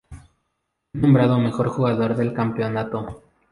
Fue nombrado mejor jugador del campeonato.